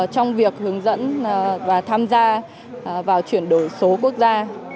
trong việc hướng dẫn và tham gia vào chuyển đổi số quốc gia